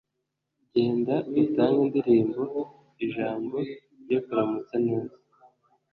genda, utange indirimbo, ijambo ryo kuramutsa neza